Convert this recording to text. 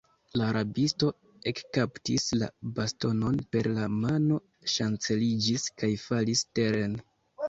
La rabisto ekkaptis la bastonon per la mano, ŝanceliĝis kaj falis teren.